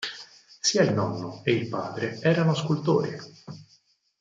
Sia il nonno e il padre erano scultori.